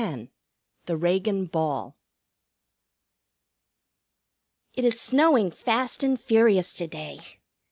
X THE REAGAN BALL It is snowing fast and furious to day.